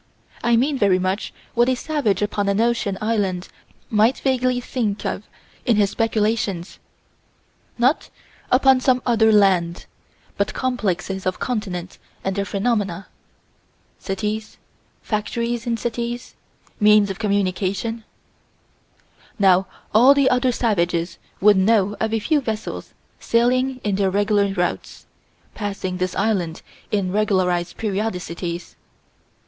I mean very much what a savage upon an ocean island might vaguely think of in his speculations not upon some other land, but complexes of continents and their phenomena: cities, factories in cities, means of communication Now all the other savages would know of a few vessels sailing in their regular routes, passing this island in regularized periodicities.